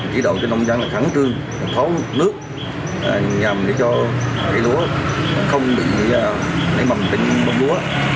chỉ đổ cho nông dân là khẳng trương thói nước nhằm để cho lúa không bị nấy mầm tỉnh mầm lúa